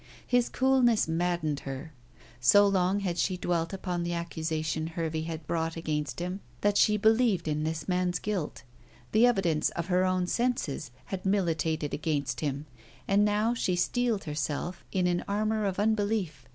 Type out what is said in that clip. His coolness maddened her. So long had she dwelt upon the accusation Hervey had brought against him that she believed in this man's guilt. The evidence of her own senses had militated against him, and now she steeled herself in an armour of unbelief.